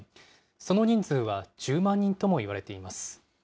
その人数は１０万人ともいわれています。